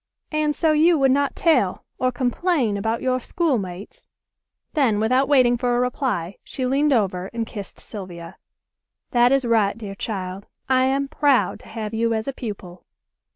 "And so you would not tell, or complain about your schoolmates?" Then without waiting for a reply, she leaned over and kissed Sylvia. "That is right, dear child. I am proud to have you as a pupil.